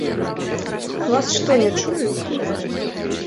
Вас што, не чуюць?